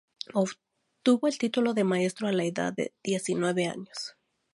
Obtuvo el título de Maestro a la edad de diecinueve años.